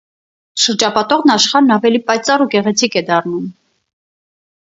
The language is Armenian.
Շրջապատող աշխարհն ավելի պայծառ ու գեղեցիկ է դառնում։